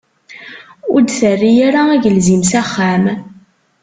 Ur d-terri ara agelzim s axxam.